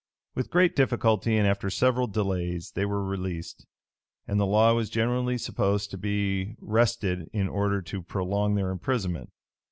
13 With great difficulty, and after several delays, they were released; and the law was generally supposed to be wrested in order to prolong their imprisonment.